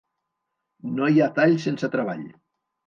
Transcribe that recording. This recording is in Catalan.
No hi ha tall sense treball.